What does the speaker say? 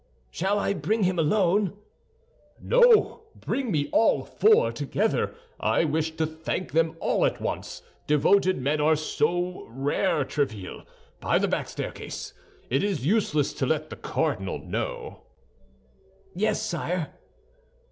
"Shall I bring him alone?" "No, bring me all four together. I wish to thank them all at once. Devoted men are so rare, Tréville, by the back staircase. It is useless to let the cardinal know." "Yes, sire."